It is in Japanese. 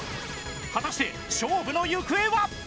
果たして勝負の行方は？